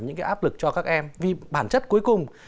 những cái áp lực cho các em vì bản chất cuối cùng